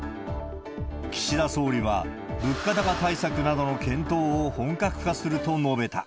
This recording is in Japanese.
岸田総理は、物価高対策などの検討を本格化すると述べた。